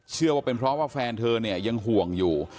เชื่อว่าเป็นเพราะว่าแฟนเธอเนี่ยยังห่วงอยู่